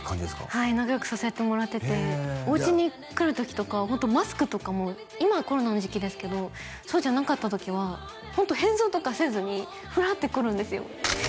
はい仲よくさせてもらっててへえおうちに来る時とかホントマスクとかも今はコロナの時期ですけどそうじゃなかった時はホント変装とかせずにフラって来るんですよえ